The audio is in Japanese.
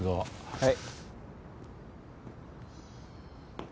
はい。